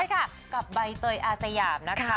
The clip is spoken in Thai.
ใช่ค่ะกับใบเตยอาสยามนะคะ